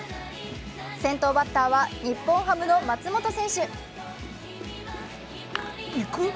先頭バッターは日本ハムの松本選手。